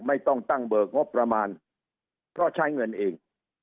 ไม่ต้องตั้งเบิกงบประมาณเพราะใช้เงินเอง